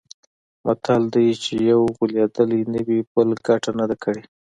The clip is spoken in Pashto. متل دی: چې یو غولېدلی نه وي، بل ګټه نه ده کړې.